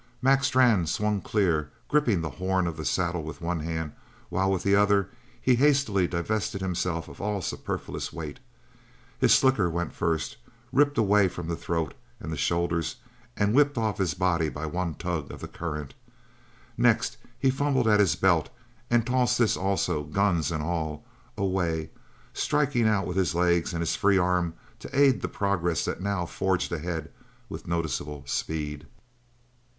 Mac Strann swung clear, gripping the horn of the saddle with one hand while with the other he hastily divested himself of all superfluous weight. His slicker went first, ripped away from throat and shoulders and whipped off his body by one tug of the current. Next he fumbled at his belt and tossed this also, guns and all, away; striking out with his legs and his free arm to aid the progress that now forged ahead with noticeable speed.